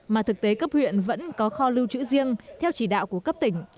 mà thực tế cấp huyện vẫn có kho lưu trữ riêng theo chỉ đạo của cấp tỉnh